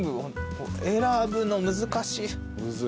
選ぶの難しい。